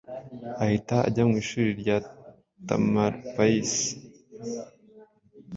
ahita ajya mu ishuri rya Tamalpayis